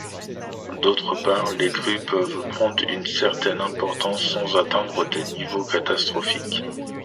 D'autre part, les crues peuvent prendre une certaine importance sans atteindre des niveaux catastrophiques.